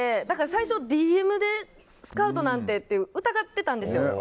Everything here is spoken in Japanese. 最初はＤＭでスカウトなんてって疑ってたんですよ。